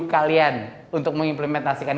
kalian untuk mengimplementasikan